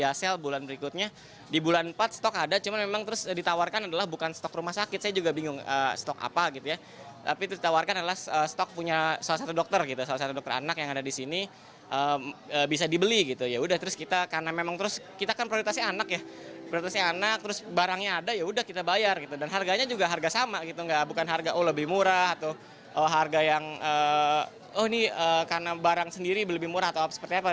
harga yang oh ini karena barang sendiri lebih murah atau seperti apa